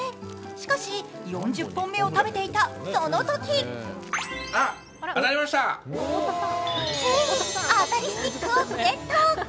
しかし、４０本目を食べていたそのときついに当たりスティックをゲット！